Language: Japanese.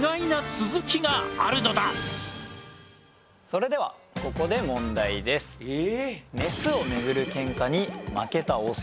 それではここで問題です。え。